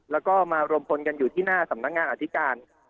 แล้วก็มารวมพลกันอยู่ที่หน้าสำนักงานอธิการ